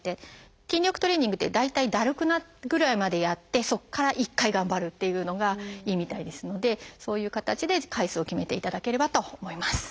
筋力トレーニングって大体だるくなるぐらいまでやってそこから１回頑張るっていうのがいいみたいですのでそういう形で回数を決めていただければと思います。